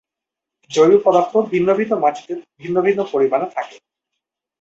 জৈব পদার্থ ভিন্ন ভিন্ন মাটিতে ভিন্ন ভিন্ন পরিমাণে থাকে।